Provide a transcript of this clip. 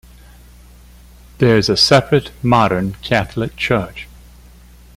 There is a separate, modern Catholic Church.